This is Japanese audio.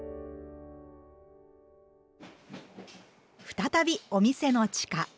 再びお店の地下。